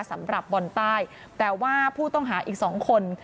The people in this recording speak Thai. สำหรับบอลใต้แต่ว่าผู้ต้องหาอีกสองคน